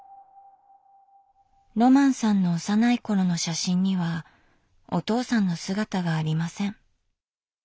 ロマンさんの幼い頃の写真にはお父さんの姿がありません。